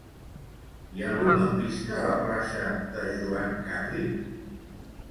Hi ha algun lampista a la plaça de Joan Capri?